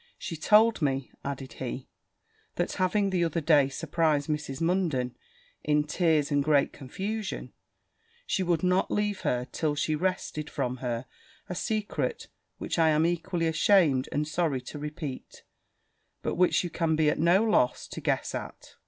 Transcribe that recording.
'She told me,' added he, 'that having the other day surprized Mrs. Munden in tears and great confusion, she would not leave her until she wrested from her a secret, which I am equally ashamed and sorry to repeat; but which you can be at no loss to guess at.'